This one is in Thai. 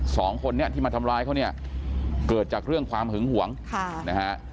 สองคนนี้ที่มาทำร้ายเขาเนี่ยเกิดจากเรื่องความหึงหวงค่ะนะฮะ